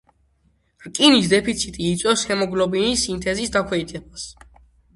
რკინის დეფიციტი იწვევს ჰემოგლობინის სინთეზის დაქვეითებას.